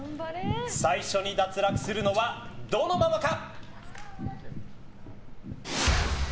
最初に脱落するのはどのママか。